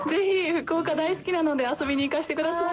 福岡大好きなので遊びに行かせてください。